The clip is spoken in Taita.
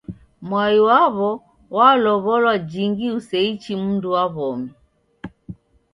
Mwai waw'o walow'olo jingi useichi mndu wa w'omi.